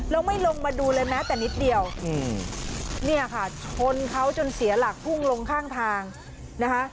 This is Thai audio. แล้วไม่ลงมาดูเลยแม้แต่นิดเดียวเนี่ยค่ะชนเขาจนเสียหลักพุ่งลงข้างทางนะคะ